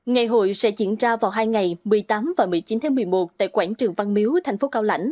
ngày hội sẽ diễn ra vào hai ngày một mươi tám và một mươi chín tháng một mươi một tại quảng trường văn miếu thành phố cao lãnh